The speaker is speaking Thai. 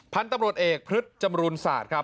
ผันตำรวจเอกพฤทธิ์จำรุนศาสตร์ครับ